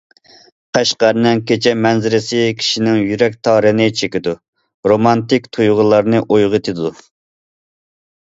قەشقەرنىڭ كېچە مەنزىرىسى كىشىنىڭ يۈرەك تارىنى چېكىدۇ، رومانتىك تۇيغۇلارنى ئويغىتىدۇ.